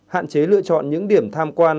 hạn chế lựa chọn những điểm tham quan